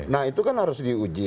nah itu kan harus diuji